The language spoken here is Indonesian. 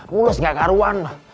mulus nggak kearuan